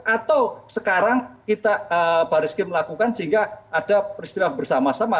atau sekarang kita baris krim melakukan sehingga ada peristiwa bersama sama